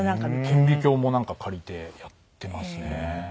顕微鏡も借りてやってますね。